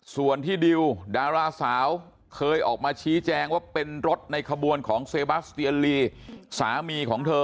ส่วนที่ดิวดาราสาวเคยออกมาชี้แจงว่าเป็นรถในขบวนของเซบัสเตียนลีสามีของเธอ